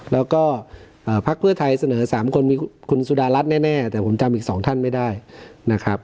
แล้วก็พักเพื่อไทยเสนอ๓คนมีคุณสุดารัฐแน่แต่ผมจำอีก๒ท่านไม่ได้นะครับ